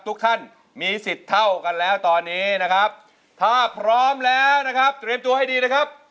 ทุกท่านมีสิทธิ์เท่ากันแล้วตอนนี้นะครับถ้าพร้อมแล้วนะครับเตรียมตัวให้ดีนะครับ